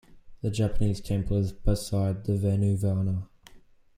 The Japanese temple is beside the Venu Vana.